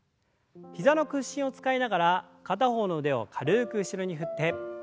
膝の屈伸を使いながら片方の腕を軽く後ろに振って。